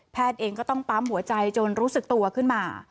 เองก็ต้องปั๊มหัวใจจนรู้สึกตัวขึ้นมา